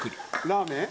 「ラーメン？」